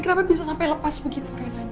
kenapa bisa sampe lepas begitu renanya